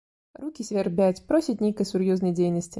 Рукі свярбяць, просяць нейкай сур'ёзнай дзейнасці.